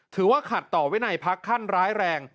ถือว่าขัดต่อไว้ในภักดิ์ขั้นร้ายแรง